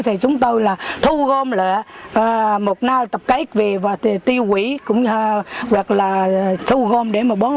thì chúng tôi thu gom